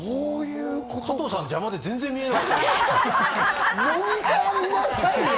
加藤さん邪魔で全然見えない。